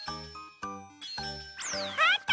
あった！